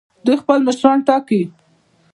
دوی خپل مشران ټاکي.